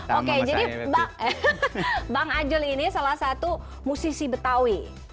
oke jadi bang ajul ini salah satu musisi betawi